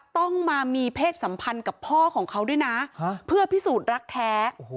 ต้องมามีเพศสัมพันธ์กับพ่อของเขาด้วยนะเพื่อพิสูจน์รักแท้